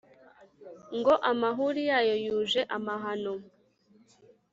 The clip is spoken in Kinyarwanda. ngo amahuri yayo yuje amahano